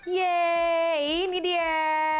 yeay ini dia